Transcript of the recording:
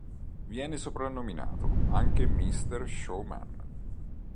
Viene soprannominato anche Mister Showman.